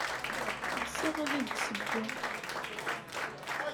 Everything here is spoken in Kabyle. Ɣseɣ ad ak-d-ssewweɣ.